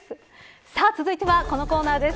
さあ続いてはこのコーナーです。